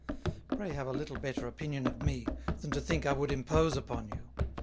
Pray have a little better opinion of me, than to think I would impose upon you."